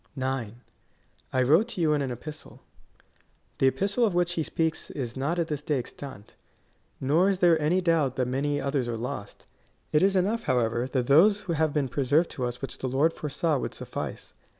9. I wrote to you in an epistle. The epistle of which he speaks is not at this day extant. Nor is there any doubt that many others are lost. It is enough, however, that those have been preserved to us which the Lord foresaw would suffice.